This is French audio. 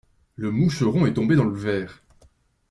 Le moucheron est tombé dans le verre.